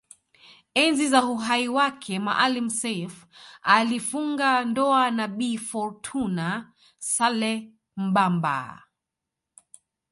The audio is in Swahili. Enzi za uhai wake Maalim Self alifunga ndoa na Bi Fourtuna Saleh Mbamba